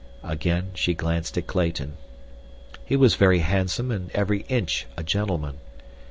Again she glanced at Clayton. He was very handsome and every inch a gentleman.